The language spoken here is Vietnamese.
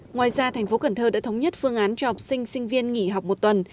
ngoài ra thành phố cần thơ đã thống nhất phương án cho học sinh sinh viên nghỉ học một tuần